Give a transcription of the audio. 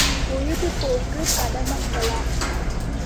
பொழுது போக்குக் கதம்பங்களா?